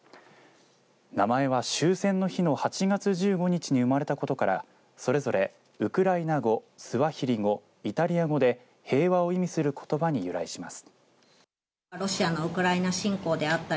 名前は終戦の日の８月１５日に生まれたことからそれぞれ、ウクライナ語スワヒリ語、イタリア語で平和を意味することばに由来します。